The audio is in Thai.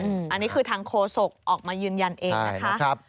อันนี้คือทางโฆษกออกมายืนยันเองนะคะ